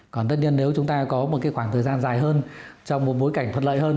còn tất nhiên nếu chúng ta có một khoảng thời gian dài hơn trong một bối cảnh thuận lợi hơn